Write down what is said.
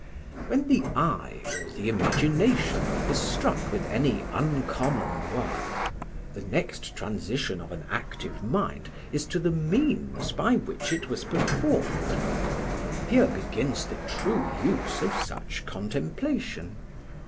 "When the eye or the imagination is struck with any uncommon work, the next transition of an active mind is to the means by which it was performed. Here begins the true use of such contemplation.